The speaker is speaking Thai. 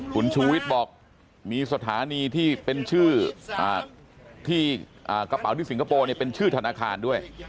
คุณชุวิตบอกมีสถานีที่เป็นชื่อทานอาคารด้วย